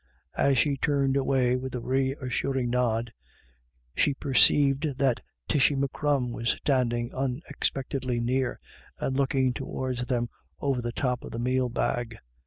As she turned away with a reassuring nod, COMING AND GOING. 297 she perceived that Tishy M'Crum was standing unexpectedly near, and looking towards them over the top of the meal bag.